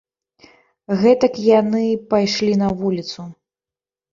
Гэтак яны пайшлі на вуліцу.